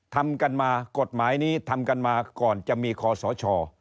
ทำกันมากฎหมายนี้ทำกันมาก่อนจะมีคอสช